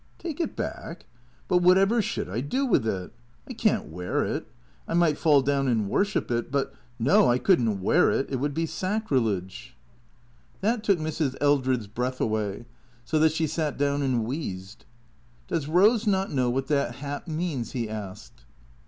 "Take it back? But whatever should I do with it? I can't wear it. I might fall down and worship it, but — No, I could n't wear it. It would be sacrilege." 41 42 THECREATOES That took Mrs. Eldred's breath away, so that she sat down and wheezed. " Does Eose not know what that hat means ?'' he asked.